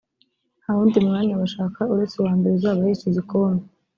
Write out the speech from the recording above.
ntawundi mwanya bashaka uretse uwa mbere uzabahesha igikombe